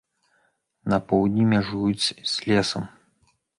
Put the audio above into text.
На поўдні мяжуюць з лесам.